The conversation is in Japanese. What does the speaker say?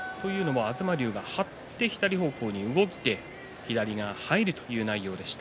東龍が張って、左方向に起きて左が入るという内容でした。